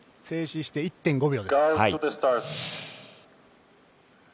静止して１．５秒です。